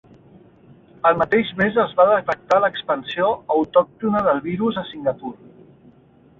El mateix mes es va detectar l'expansió autòctona del virus a Singapur.